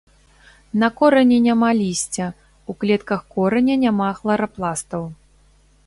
На корані няма лісця, у клетках кораня няма хларапластаў.